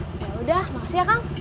ya udah makasih ya kang